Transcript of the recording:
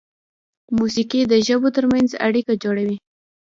موسیقي د ژبو تر منځ اړیکه جوړوي.